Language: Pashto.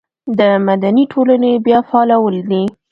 د مدني ټولنې بیا فعالول دي.